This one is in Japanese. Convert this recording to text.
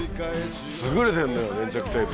優れてんのよ粘着テープ。